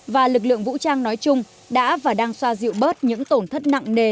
và lực lượng vũ trang nói chung đã và đang xoa dịu bớt những tổn thất nặng nề